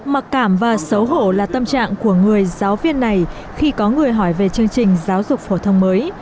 mặc cảm và xấu hổ là tâm trạng của người giáo viên này khi có người hỏi về chương trình giáo dục phổ thông mới